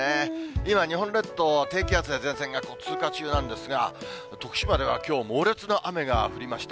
今、日本列島は低気圧や前線が通過中なんですが、徳島ではきょう、猛烈な雨が降りました。